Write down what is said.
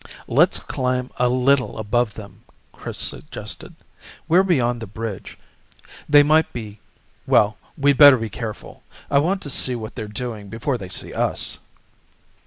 "Let's climb up a little above them," Chris suggested. "We're beyond the bridge they might be well, we'd better be careful. I want to see what they're doing before they see us."